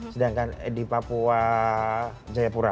sedangkan di papua jayapura